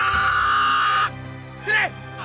tidak tidak tidak